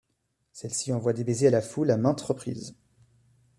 Celle-ci envoie des baisers à la foule à maintes reprises.